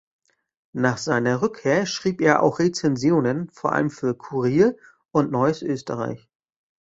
Nach seiner Rückkehr schrieb er auch Rezensionen, vor allem für Kurier und Neues Österreich.